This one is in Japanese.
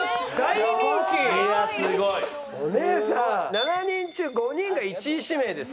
７人中５人が１位指名です。